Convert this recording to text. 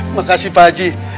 makasih pak haji